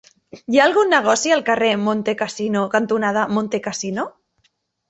Hi ha algun negoci al carrer Montecassino cantonada Montecassino?